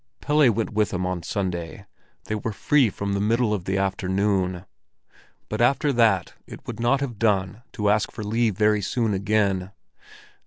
Pelle went with him on Sunday; they were free from the middle of the afternoon. But after that it would not have done to ask for leave very soon again.